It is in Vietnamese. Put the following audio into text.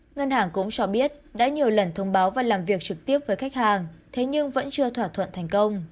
ngân hàng cũng cho biết đã nhiều lần thông báo